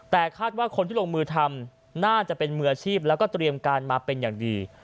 แต่คาดว่าคนที่ลงมือทำน่าจะเป็นมืออาชีพแล้วก็เตรียมการมาเป็นอย่างดี